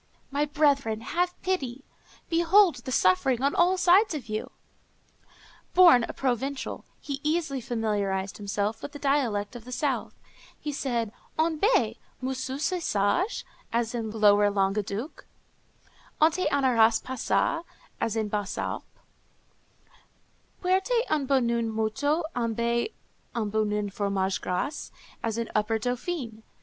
My brethren, have pity! behold the suffering on all sides of you!" Born a Provençal, he easily familiarized himself with the dialect of the south. He said, "En bé! moussu, sés sagé?" as in lower Languedoc; "Onté anaras passa?" as in the Basses Alpes; "Puerte un bouen moutu embe un bouen fromage grase," as in upper Dauphiné.